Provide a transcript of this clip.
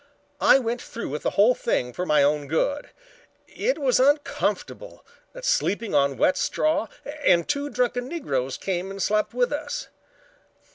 I went through with the thing for my own good. It was uncomfortable, sleeping on wet straw, and two drunken Negroes came and slept with us.